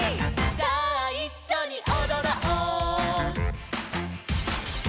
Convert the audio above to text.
さあいっしょにおどろう」